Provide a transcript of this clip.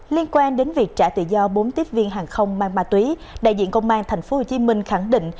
liên quan đến việc trả tự do bốn tiếp viên hàng không mang ma túy đại diện công an tp hcm khẳng định